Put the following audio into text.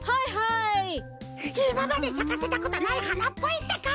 いままでさかせたことないはなっぽいってか！